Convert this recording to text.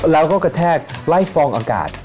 แล้วก็กระแทกไล่ฟองอากาศ